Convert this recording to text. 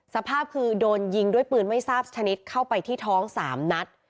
สภาพคือโดนยิงด้วยปืนไม่ทราบชนิดเข้าไปที่ท้อง๓นัด